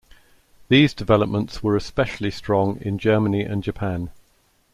These developments were especially strong in Germany and Japan.